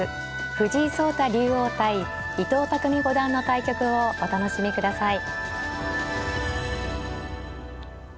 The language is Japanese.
藤井聡太竜王対伊藤匠五段の対局をお楽しみください。